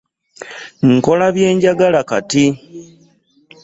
Nkola bye njagala kati.